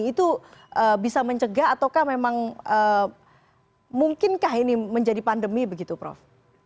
itu bisa mencegah ataukah memang mungkinkah ini menjadi pandemi begitu prof